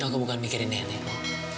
aku bukan mikirin nenekmu